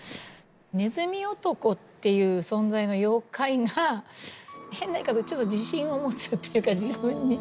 ねずみ男っていう存在の妖怪が変な言い方ちょっと自信を持つっていうか自分に。